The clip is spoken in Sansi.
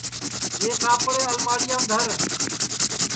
یہ کاپڑے الماڑِیام دھر